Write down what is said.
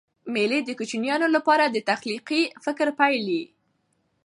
مېلې د کوچنیانو له پاره د تخلیقي فکر پیل يي.